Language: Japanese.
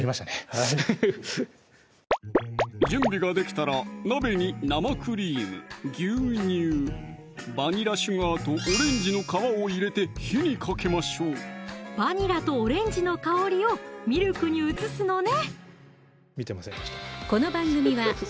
はい準備ができたら鍋に生クリーム・牛乳・バニラシュガーとオレンジの皮を入れて火にかけましょうバニラとオレンジの香りをミルクに移すのね